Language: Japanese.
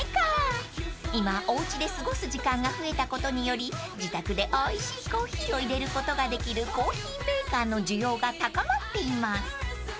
［今おうちで過ごす時間が増えたことにより自宅でおいしいコーヒーを入れることができるコーヒーメーカーの需要が高まっています］